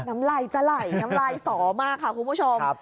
น้ำไหล่จะไหลน้ำไหลศรมากค่ะคุณผู้ชม